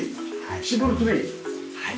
はい。